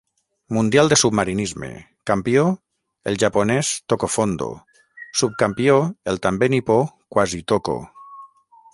Mundial de submarinisme: campió, el japonès Tokofondo; subcampió, el també nipó Quasitoko.